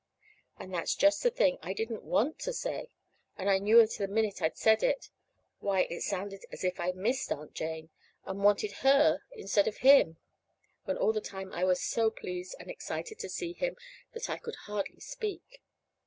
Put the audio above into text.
And that's just the thing I didn't want to say; and I knew it the minute I'd said it. Why, it sounded as if I missed Aunt Jane, and wanted her instead of him, when all the time I was so pleased and excited to see him that I could hardly speak.